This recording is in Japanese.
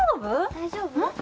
大丈夫？